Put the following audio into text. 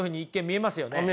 見えます。